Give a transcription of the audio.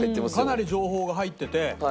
かなり情報が入っててこれは。